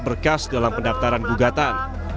berkas dalam pendaftaran gugatan